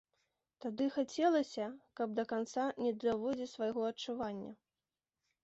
Тады хацелася, каб да канца не даводзіць свайго адчування.